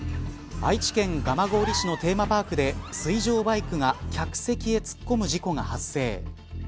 愛知県蒲郡市のテーマパークで水上バイクが客席へ突っ込む事故が発生。